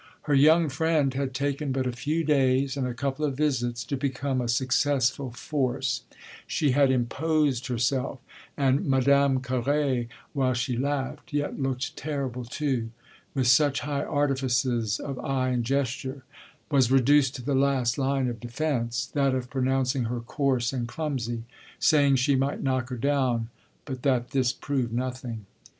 Her young friend had taken but a few days and a couple of visits to become a successful force; she had imposed herself, and Madame Carré, while she laughed yet looked terrible too, with such high artifices of eye and gesture was reduced to the last line of defence; that of pronouncing her coarse and clumsy, saying she might knock her down, but that this proved nothing.